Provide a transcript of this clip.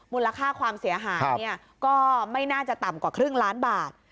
มูลค่าความเสียหายก็ไม่น่าจะต่ำกว่าครึ่งล้านบาท